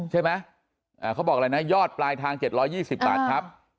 ใช่ไหมอ่าเขาบอกอะไรนะยอดปลายทางเจ็ดร้อยยี่สิบอันครับ